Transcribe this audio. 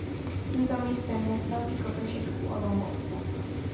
Tímto místem je Svatý Kopeček u Olomouce.